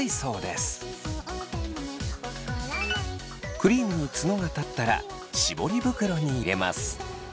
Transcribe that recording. クリームにツノが立ったらしぼり袋に入れます。